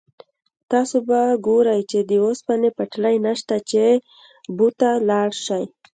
تاسو به ګورئ چې د اوسپنې پټلۍ نشته چې بو ته لاړ شئ.